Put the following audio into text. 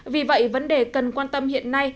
vì vậy vấn đề cần quan tâm hiện nay